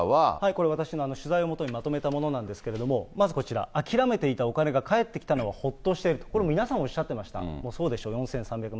これ私の取材をもとにまとめたものなんですけれども、まずこちら、諦めていたお金が返ってきたのはほっとしていると。